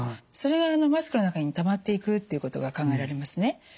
それがマスクの中にたまっていくということが考えられますね。